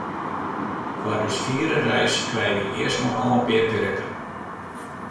Foar ús fiere reis krije wy earst noch al in pear prippen.